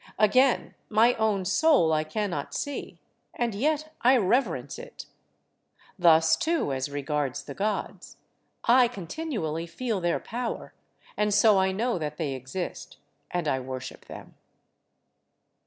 Again, my own soul I cannot see, and yet I reverence it. Thus, too, as regards the Gods, I continually feel their power; and so I know that they exist, and I worship them.